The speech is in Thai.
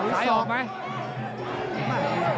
สายออกไหม